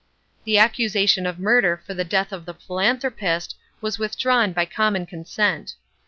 The accusation of murder for the death of the philanthropist was withdrawn by common consent.